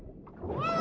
うん！